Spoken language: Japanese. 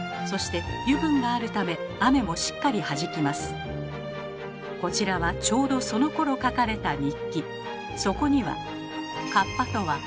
そしてこちらはちょうどそのころ書かれた日記。